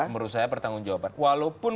menurut saya pertanggung jawaban walaupun